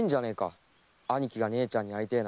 兄貴が姉ちゃんに会いてえなんて。